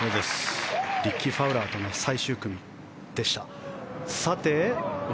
リッキー・ファウラーとの最終組でした。